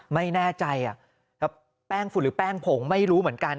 ไม่แน่ใจแป้งฝุ่นหรือแป้งผงไม่รู้เหมือนกัน